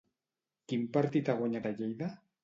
Quin partit ha guanyat a Lleida?